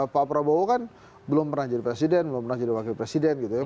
pak prabowo kan belum pernah jadi presiden belum pernah jadi wakil presiden gitu ya